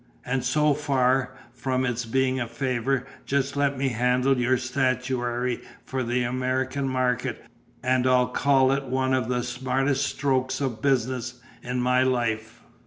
And so far from it's being a favour, just let me handle your statuary for the American market, and I'll call it one of the smartest strokes of business in my life."